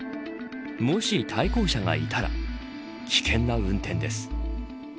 もし、対向車がいたら危険な運転です。